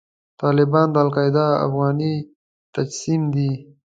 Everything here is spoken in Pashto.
طالبان د القاعده افغاني تجسم دی.